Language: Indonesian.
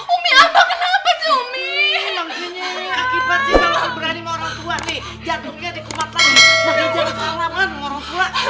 umi umi gimana dong